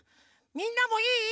みんなもいい？